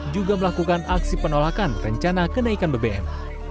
juga melakukan aksi penolakan rencana kenaikan bbm